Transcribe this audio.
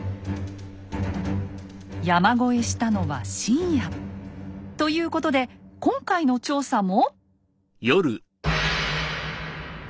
山越えしたのは深夜。ということで今回の調査も。